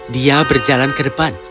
dia berjalan ke depan